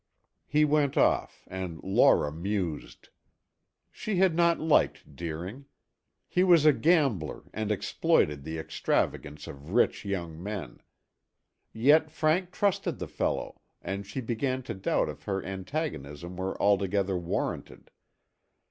He went off and Laura mused. She had not liked Deering. He was a gambler and exploited the extravagance of rich young men. Yet Frank trusted the fellow and she began to doubt if her antagonism were altogether warranted.